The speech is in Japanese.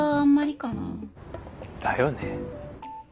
だよね。